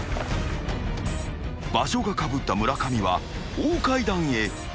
［場所がかぶった村上は大階段へ］